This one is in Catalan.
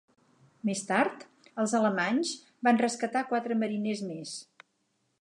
Més tard, els alemanys van rescatar quatre mariners més.